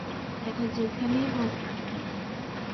এটা যেখানেই হোক না কেন।